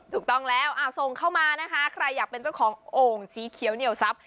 ถูกต้องแล้วส่งเข้ามานะคะใครอยากเป็นเจ้าของโอ่งสีเขียวเหนียวทรัพย